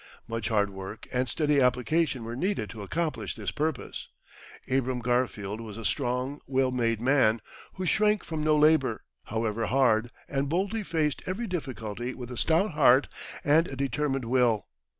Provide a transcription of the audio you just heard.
Much hard work and steady application were needed to accomplish this purpose. Abram Garfield was a strong, well made man, who shrank from no labour, however hard, and boldly faced every difficulty with a stout heart and a determined will.